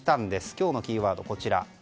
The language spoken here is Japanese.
今日のキーワードはこちら。